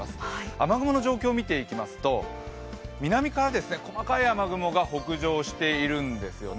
雨雲の状況を見ていきますと南から細かい雨雲が北上してるんですよね。